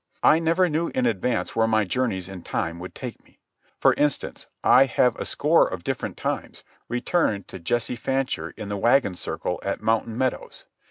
I never knew in advance where my journeys in time would take me. For instance, I have a score of different times returned to Jesse Fancher in the wagon circle at Mountain Meadows.